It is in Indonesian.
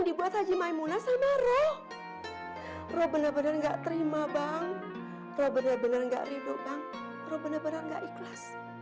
biar gak riduk bang roh bener bener gak ikhlas